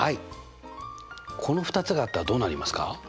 この２つがあったらどうなりますか？